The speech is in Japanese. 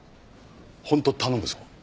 ホント頼むぞ。